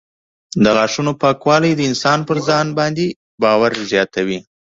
د غاښونو پاکوالی د انسان پر ځان باور زیاتوي.